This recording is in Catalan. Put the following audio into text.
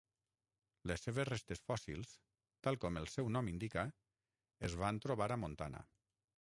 Les seves restes fòssils, tal com el seu nom indica, es van trobar a Montana.